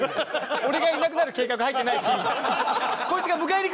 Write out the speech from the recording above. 俺がいなくなる計画入ってないし。